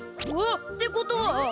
あっ！？ってことは。